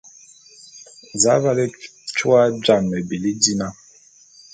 Za aval étua jame me bili dina?